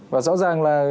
và rõ ràng là